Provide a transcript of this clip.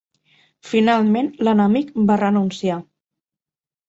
Finalment l'enemic va renunciar.